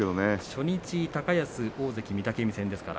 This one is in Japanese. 初日、高安は大関御嶽海戦です。